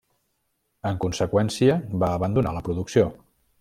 En conseqüència, va abandonar la producció.